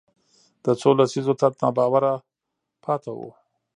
د څو لسیزو تت ناباوره پاتې وو